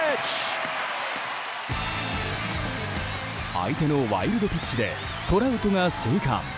相手のワイルドピッチでトラウトが生還。